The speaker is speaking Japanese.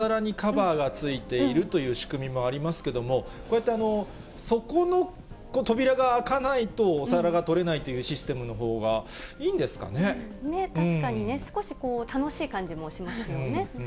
お店によっては一つ一つのお皿にカバーがついているという仕組みもありますけども、こうやってそこの扉が開かないとお皿が取れないっていうシステム確かにね、少し楽しい感じもしますよね。